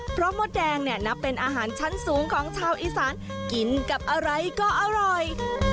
เพราะมดแดงเนี่ยนับเป็นอาหารชั้นสูงของชาวอีสานกินกับอะไรก็อร่อย